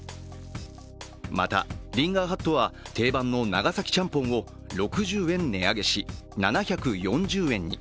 また、リンガーハットは定番の長崎ちゃんぽんを６０円値上げし、７４０円に。